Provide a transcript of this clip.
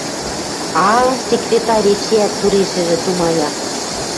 А-а-а... — секретарь эчеӓт турешӹжӹ тумая.